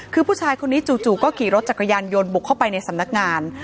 คือผู้ชายคนนี้จู่ก็ขี่รถจักรยานยนต์บุกเข้าไปในสำนักงาน